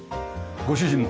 ご主人の。